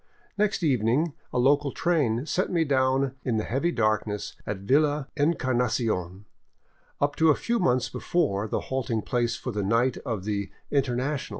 Next evening a local train set me down in the heavy darkness at Villa Encarnacion, up to a few months before the halting place for the night of the " Internacional."